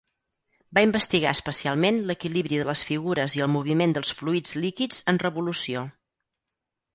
Va investigar especialment l'equilibri de les figures i el moviment dels fluids líquids en revolució.